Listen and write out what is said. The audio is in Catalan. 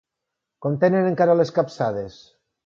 Com tenen encara les capçades?